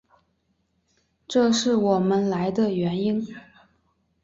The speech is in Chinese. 这是我们来的原因。